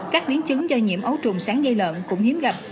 các biến chứng do nhiễm ấu trùng sán gây lợn cũng hiếm gặp